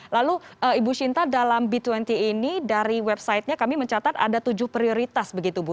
lalu ibu shinta dalam b dua puluh ini dari websitenya kami mencatat ada tujuh prioritas begitu bu